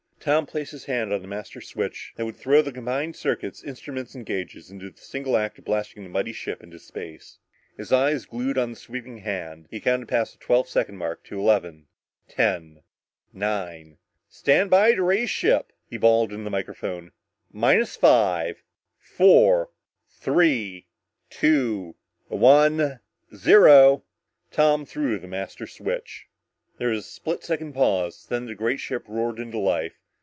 Tom placed his hand on the master switch that would throw the combined circuits, instruments and gauges into the single act of blasting the mighty ship into space. His eyes glued to the sweeping hand, he counted past the twelve second mark eleven ten nine "Stand by to raise ship," he bawled into the microphone. "Minus five four three two one zero!" Tom threw the master switch. There was a split second pause and then the great ship roared into life.